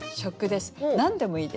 何でもいいです。